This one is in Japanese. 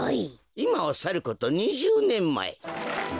いまをさること２０ねんまえ